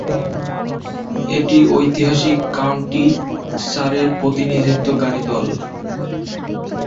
এটি ঐতিহাসিক কাউন্টি সারের প্রতিনিধিত্বকারী দল।